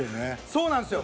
そうなんすよ。